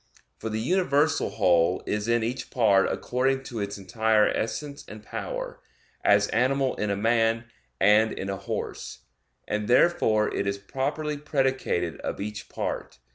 For the universal whole is in each part according to its entire essence and power; as animal in a man and in a horse; and therefore it is properly predicated of each part.